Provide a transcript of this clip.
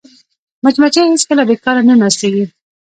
مچمچۍ هېڅکله بیکاره نه ناستېږي